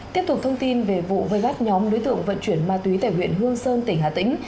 tiếp tục thông tin về vụ vây bắt nhóm đối tượng vận chuyển ma túy tại huyện hương sơn tỉnh hà tĩnh